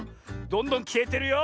どんどんきえてるよ！